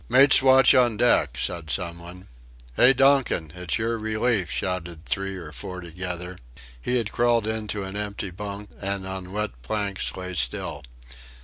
"Mate's watch on deck," said some one. "Hey, Donkin, it's your relief!" shouted three or four together. He had crawled into an empty bunk and on wet planks lay still.